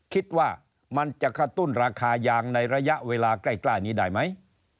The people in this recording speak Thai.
คิดว่ามันจะกระตุ้นราคายางในระยะเวลาใกล้นี้ได้ไหม